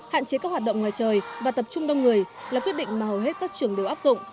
hạn chế các hoạt động ngoài trời và tập trung đông người là quyết định mà hầu hết các trường đều áp dụng